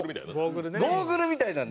ゴーグルみたいな。